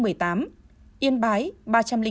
yên bái ba trăm linh năm